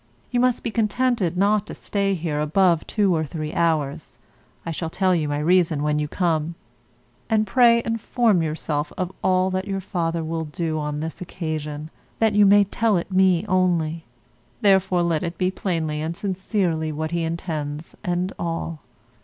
You must be contented not to stay here above two or three hours. I shall tell you my reason when you come. And pray inform yourself of all that your father will do on this occasion, that you may tell it me only; therefore let it be plainly and sincerely what he intends and all.